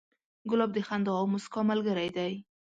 ګلاب د خندا او موسکا ملګری دی.